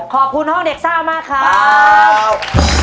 ขอบคุณห้องเด็กซ่าวมากครับ